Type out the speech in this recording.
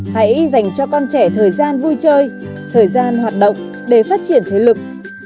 hãy dành cho con trẻ thời gian vui chơi thời gian hoạt động để phát triển thế lực